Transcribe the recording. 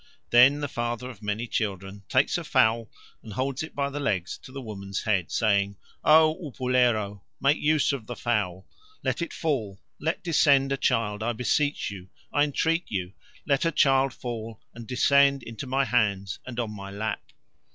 Then the father of many children takes a fowl and holds it by the legs to the woman's head, saying, "O Upulero, make use of the fowl; let fall, let descend a child, I beseech you, I entreat you, let a child fall and descend into my hands and on my lap."